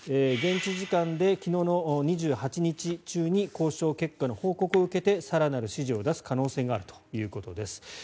現地時間で２８日中に交渉結果の報告を受けて更なる指示を出す可能性があるということです。